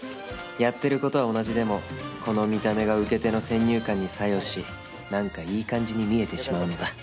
やってる事は同じでもこの見た目が受け手の先入観に作用しなんかいい感じに見えてしまうのだ